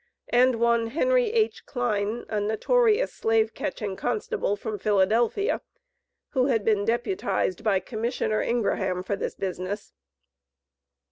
and one Henry H. Kline, a notorious slave catching constable from Philadelphia, who had been deputized by Commissioner Ingraham for this business.